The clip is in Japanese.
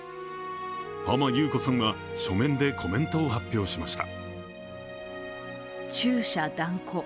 浜木綿子さんは書面でコメントを発表しました。